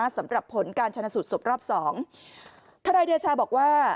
สำหรับผลการชนะสูตรศพรอบสองทนายเดชาบอกว่า